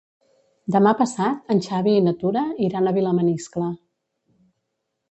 Demà passat en Xavi i na Tura iran a Vilamaniscle.